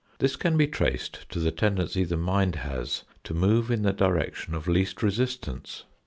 This can be traced to the tendency the mind has to move in the direction of least resistance.